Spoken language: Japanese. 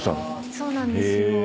そうなんですよ。